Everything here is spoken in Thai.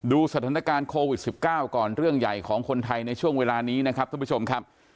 ดูสถานการณ์โควิด๑๙ก่อนเรื่องใหญ่ของคนไทยในช่วงเวลานี้นะครับท่านผู้ชมครับ